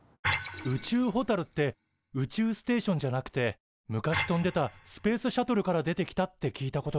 宇宙ホタルって宇宙ステーションじゃなくて昔飛んでたスペースシャトルから出てきたって聞いたことがある。